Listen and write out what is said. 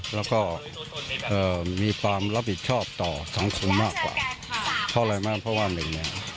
แล้วก็เอ่อมีความรับผิดชอบต่อสังคมมากกว่าเพราะอะไรมั้งเพราะว่าหนึ่งเนี่ย